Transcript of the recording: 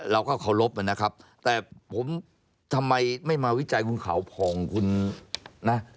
เราก็เคารพนะครับแต่ผมทำไมไม่มาวิจัยคุณเขาผ่องคุณนะ